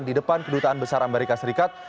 di depan kedutaan besar amerika serikat